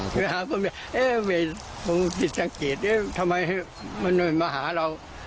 ไปหาผมเรื่อยเอ๊ะเวทผมติดจังกิจทำไมมันมาหาเรา